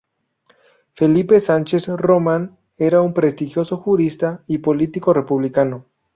Felipe Sánchez-Román era un prestigioso jurista y político republicano.